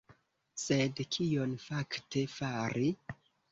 Sed kion fakte fari?